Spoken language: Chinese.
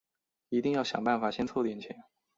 一定想办法先凑点钱